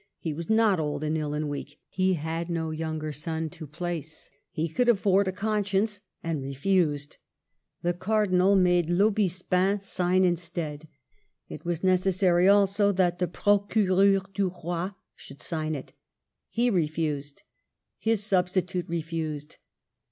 He was not old and ill and weak ; he had no younger son to place ; he could afford a conscience, and refused. The Cardinal made L'Aubespin sign instead. It was necessary also that the Procureur du Roi should sign it. He refused. His substitute refused.